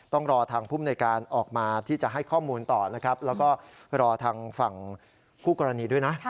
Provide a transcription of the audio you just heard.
ต้องรอทางภูมิในการออกมาที่จะให้ข้อมูลต่อนะครับแล้วก็รอทางฝั่งคู่กรณีด้วยนะ